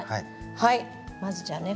はいまずじゃあね